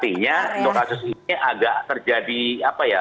artinya lokasi ini agak terjadi apa ya